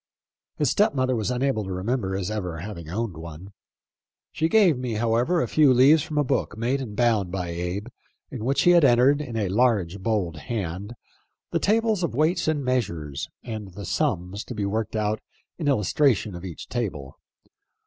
His stepmother was unable to remember his ever having owned one. She gave me, how ever, a few leaves from a book made and bound by Abe, in which he had entered, in a large, bold hand, the tables of weights and measures, and the " sums " to be worked out in illustration of each table.